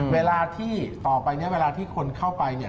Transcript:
เวลาที่ต่อไปเวลาที่คนเข้าไป